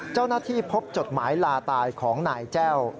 เจ้าหน้าที่พบจดหมายลาตายของนายแจ้ว